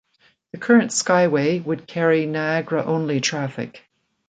The current Skyway would carry Niagara-only traffic.